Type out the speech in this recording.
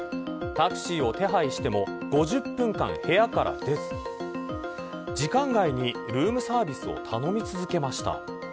タクシーを手配しても５０分間部屋から出ず時間外にルームサービスを頼み続けました。